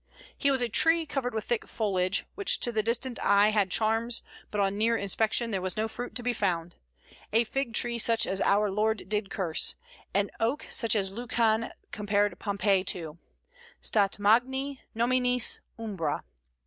He was a tree covered with thick foliage, which to the distant eye had charms, but on near inspection there was no fruit to be found; a fig tree such as our Lord did curse; an oak such as Lucan compared Pompey to, Stat magni nominis umbra."